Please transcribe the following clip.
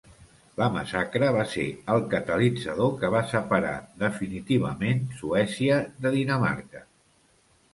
La massacre va ser el catalitzador que va separar definitivament Suècia de Dinamarca.